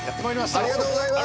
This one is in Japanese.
ありがとうございます。